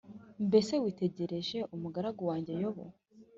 Mbese witegereje umugaragu wanjye Yobu